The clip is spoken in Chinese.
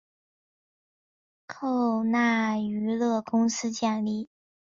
透纳娱乐公司建立。